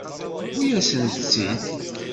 Tewwi-yasent-tt-id.